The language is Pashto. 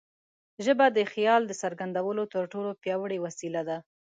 ژبه د خیال د څرګندولو تر ټولو پیاوړې وسیله ده.